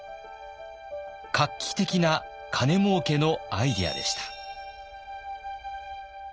画期的な金もうけのアイデアでした。